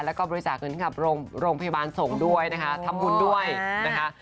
แล้วก็บริจาคเงินให้กับโรงพยาบาลส่งด้วยนะคะทำบุญด้วยนะคะ